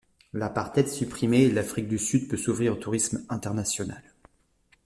L’apartheid supprimé, l’Afrique du Sud peut s’ouvrir au tourisme international.